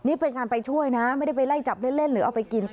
นี่เป็นการไปช่วยนะไม่ได้ไปไล่จับเล่นหรือเอาไปกิน